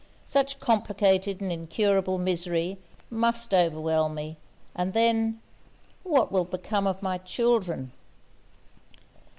Such complicated and incurable misery must overwhelm me, and then what will become of my children?'